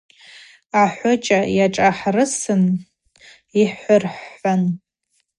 Ахӏвыча гӏашӏахӏрысын йхӏырхӏвуан.